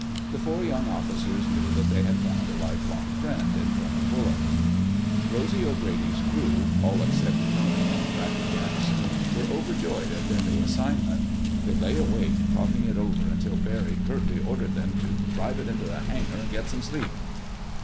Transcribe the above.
The four young officers knew that they had found a lifelong friend in Colonel Bullock. Rosy O'Grady's crew, all except Tony and Cracker Jackson, were overjoyed at their new assignment. They lay awake talking it over until Barry curtly ordered them to "drive it into the hangar and get some sleep."